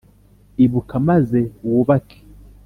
Ibuka, maze wubake.